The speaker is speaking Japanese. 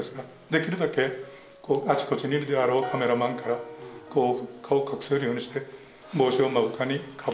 できるだけあちこちにいるであろうカメラマンからこう顔を隠せるようにして帽子を目深にかぶって。